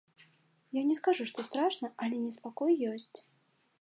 Я не скажу, што страшна, але неспакой ёсць.